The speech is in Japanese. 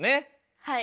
はい。